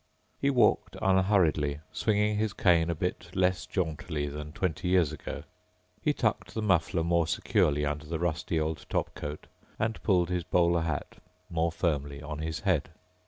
He walked unhurriedly, swinging his cane a bit less jauntily than twenty years ago. He tucked the muffler more securely under the rusty old topcoat and pulled his bowler hat more firmly on his head.